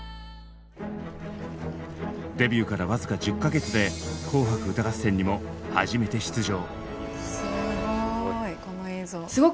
デビューからわずか１０か月で「紅白歌合戦」にも初めて出場。